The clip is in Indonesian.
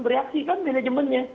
bereaksi kan manajemennya